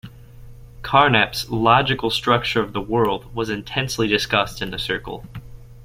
Carnap's "Logical Structure of the World" was intensely discussed in the Circle.